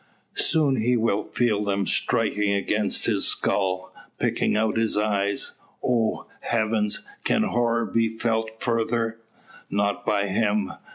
Soon he will feel them striking against his skull, pecking out his eyes. O, heavens! can horror be felt further? Not by him.